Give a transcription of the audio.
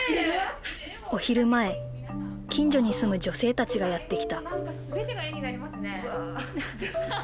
お昼前近所に住む女性たちがやって来た。